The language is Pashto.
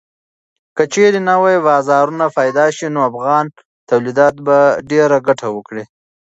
که چېرې نوي بازارونه پېدا شي نو افغان تولیدات به ډېره ګټه وکړي.